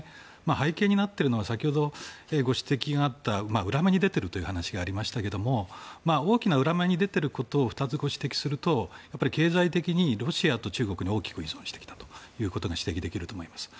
背景になっているのは先ほどご指摘があった裏目に出ているというお話で大きな裏目に出ていることを２つご指摘すると経済的にロシアと中国に大きく依存してきたということが指摘できると思います。